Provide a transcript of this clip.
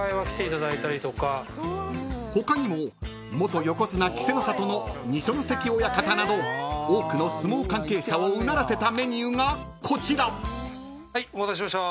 ［他にも元横綱稀勢の里の二所ノ関親方など多くの相撲関係者をうならせたメニューがこちら］お待たせしました。